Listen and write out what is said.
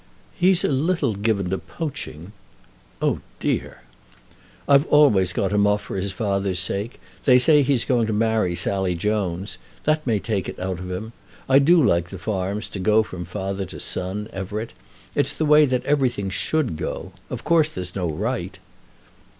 "He's a little given to poaching." "Oh dear!" "I've always got him off for his father's sake. They say he's going to marry Sally Jones. That may take it out of him. I do like the farms to go from father to son, Everett. It's the way that everything should go. Of course there's no right."